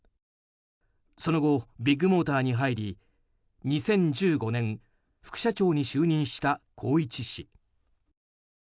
その後、ビッグモーターに入り２０１５年副社長に就任した宏一氏。